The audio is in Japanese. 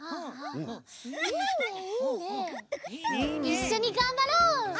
いっしょにがんばろう！